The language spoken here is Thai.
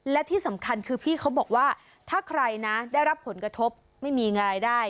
และที่สำคัญคือพี่เขาบอกว่าถ้าใครนะได้รับผลกระทบไม่มีรายได้